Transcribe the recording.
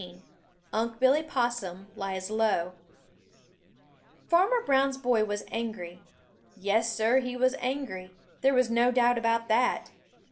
XVII UNC' BILLY POSSUM LIES LOW Farmer Brown's boy was angry. Yes, Sir, he was angry. There was no doubt about that.